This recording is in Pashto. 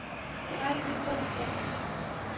غږ دې خوږ دی